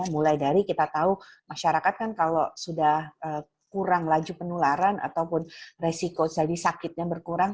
mulai dari kita tahu masyarakat kan kalau sudah kurang laju penularan ataupun resiko jadi sakitnya berkurang